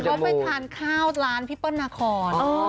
เขาไปทานข้าวร้านพี่เปิ้ลนาคอน